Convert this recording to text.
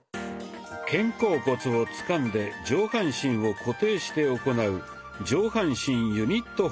肩甲骨をつかんで上半身を固定して行う「上半身ユニットほぐし」。